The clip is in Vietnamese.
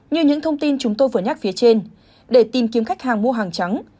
như những thông tin chúng tôi vừa nhắc phía trên để tìm kiếm khách hàng mua hàng trắng